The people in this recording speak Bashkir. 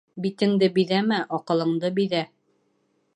Битеңде биҙәмә, аҡылыңды биҙә.